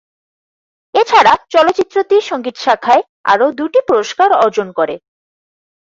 এছাড়া চলচ্চিত্রটি সঙ্গীত শাখায় আরও দুটি পুরস্কার অর্জন করে।